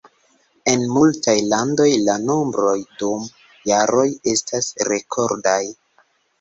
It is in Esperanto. En multaj landoj la nombroj dum jaroj estas rekordaj.